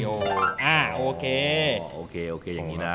โอเคโอเคโอเคอย่างนี้นะ